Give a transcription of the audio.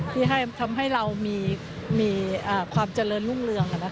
ที่ทำให้เรามีความเจริญรุ่งเรือง